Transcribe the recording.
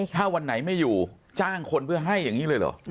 ถ้าวันไหนไม่อยู่จ้างคนเพื่อให้อย่างนี้เลยเหรอ